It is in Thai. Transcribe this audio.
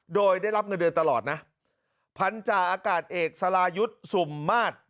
โดยได้รับเงินเดือนตลอดนะพันธาอากาศเอกสรายุทธ์สุ่มมาตร